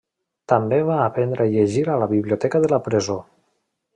També va aprendre a llegir a la biblioteca de la presó.